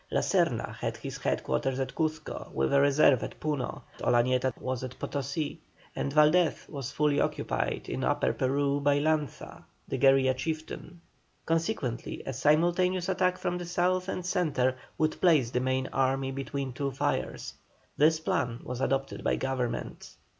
La Serna had his head quarters at Cuzco with a reserve at Puno. Olañeto was at Potosí, and Valdés was fully occupied in Upper Peru by Lanza the guerilla chieftain. Consequently, a simultaneous attack from the South and Centre would place the main army between two fires. This plan was adopted by Government.